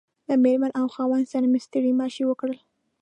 له مېرمنې او خاوند سره مې ستړي مشي وکړل.